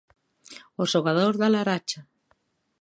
O xogador da Laracha.